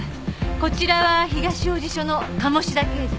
こちらは東王子署の鴨志田刑事。